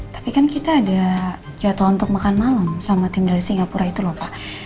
tapi kan kita ada jadwal untuk makan malam sama tim dari singapura itu lho pak